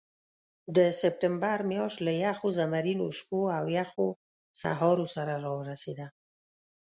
د سپټمبر میاشت له یخو زمرینو شپو او یخو سهارو سره راورسېده.